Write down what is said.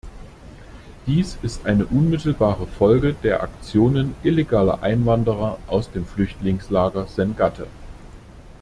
Dies ist eine unmittelbare Folge der Aktionen illegaler Einwanderer aus dem Flüchtlingslager Sangatte.